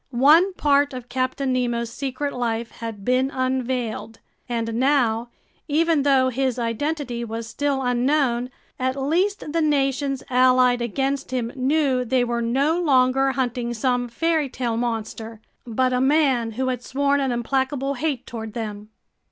One part of Captain Nemo's secret life had been unveiled. And now, even though his identity was still unknown, at least the nations allied against him knew they were no longer hunting some fairy tale monster, but a man who had sworn an implacable hate toward them!